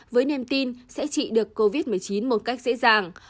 với niềm tin sẽ trị được covid một mươi chín một cách dễ dàng